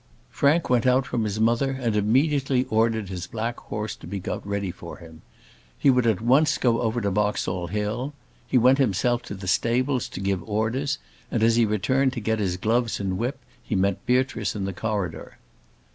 Frank went out from his mother and immediately ordered his black horse to be got ready for him. He would at once go over to Boxall Hill. He went himself to the stables to give his orders; and as he returned to get his gloves and whip he met Beatrice in the corridor.